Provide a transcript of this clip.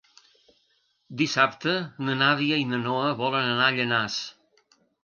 Dissabte na Nàdia i na Noa volen anar a Llanars.